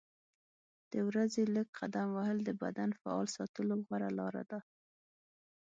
د ورځې لږ قدم وهل د بدن فعال ساتلو غوره لاره ده.